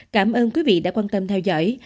cảm ơn quý vị đã quan tâm theo dõi